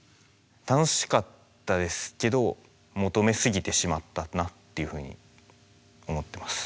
楽しかったですけど求めすぎてしまったなっていうふうに思ってます。